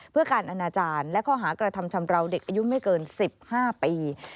เพื่อการอนาจารย์และข้อหากระทำชำราวเด็กอายุไม่เกิน๑๕ปี